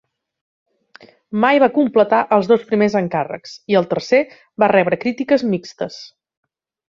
Mai va completar els dos primers encàrrecs, i el tercer va rebre crítiques mixtes.